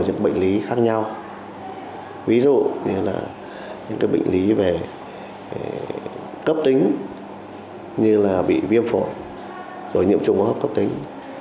những bệnh lý khác nhau ví dụ như là những bệnh lý về cấp tính như là bị viêm phổi rồi nhiễm trùng hô hấp cấp tính